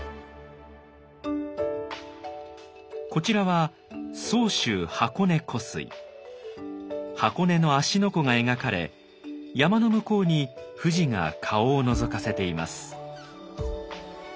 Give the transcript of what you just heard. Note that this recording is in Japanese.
こちらは箱根の芦ノ湖が描かれ山の向こうに富士が顔をのぞかせています。